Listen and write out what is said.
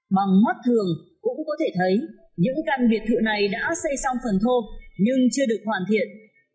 bằng mắt thường cũng có thể thấy những căn biệt thự này đã xây xong phần thô nhưng chưa được hoàn thiện